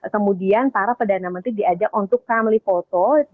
kemudian para perdana menteri diajak untuk family photo